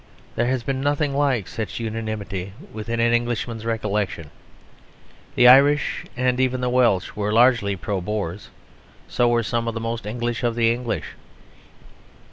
There has been nothing like such unanimity within an Englishman's recollection. The Irish and even the Welsh were largely pro Boers, so were some of the most English of the English.